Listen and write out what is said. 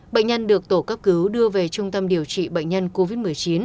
bệnh nhân được tổ cấp cứu đưa về trung tâm điều trị bệnh nhân covid một mươi chín